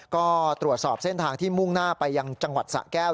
ก็ตรวจสอบเส้นทางที่มุ่งหน้าไปยังจังหวัดสะแก้ว